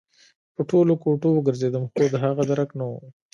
په ټولو کوټو وګرځېدم خو د هغه درک نه و